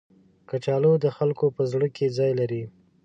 کچالو د خلکو په زړه کې ځای لري